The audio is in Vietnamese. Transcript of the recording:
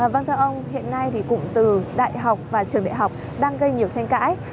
vâng thưa ông hiện nay thì cụm từ đại học và trường đại học đang gây nhiều tranh cãi